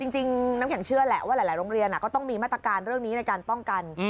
จริงน้ำแข็งเชื่อแหละว่าหลายโรงเรียนก็ต้องมีมาตรการเรื่องนี้ในการป้องกัน